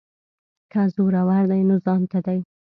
که زورور دی نو ځانته دی.